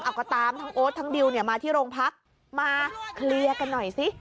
เอาก็ตามทั้งโอ๊ตทั้งดิวเนี่ยมาที่โรงพักมาเคลียร์กันหน่อยสิ